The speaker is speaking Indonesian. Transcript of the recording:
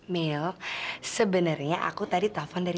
mil sebenarnya aku tadi telepon dari